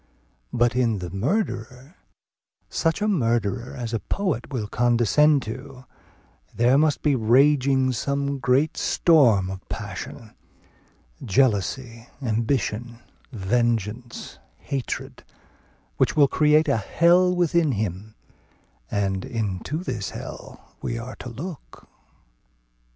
But in the murderer, such a murderer as a poet will condescend to, there must be raging some great storm of passion, jealousy, ambition, vengeance, hatred, which will create a hell within him; and into this hell we are to look.